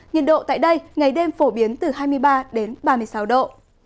nhiệt độ tại đây ngày đêm phổ biến từ hai mươi ba đến ba mươi sáu độ